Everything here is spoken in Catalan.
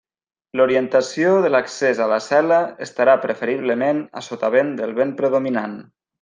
L'orientació de l'accés a la cel·la estarà preferiblement a sotavent del vent predominant.